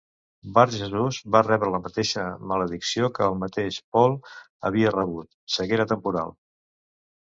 Bar-Jesus va rebre la mateixa maledicció que el mateix Paul havia rebut: ceguera temporal.